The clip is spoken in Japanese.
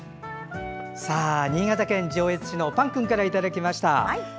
新潟県上越市のぱんくんからいただきました。